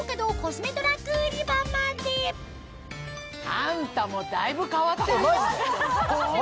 あんたもだいぶ変わってるよ。